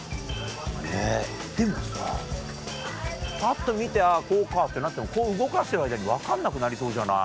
ねっでもさパッと見て「あぁこうか」ってなっても動かしてる間に分かんなくなりそうじゃない？